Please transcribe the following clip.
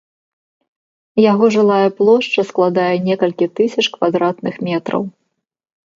Яго жылая плошча складае некалькі тысяч квадратных метраў.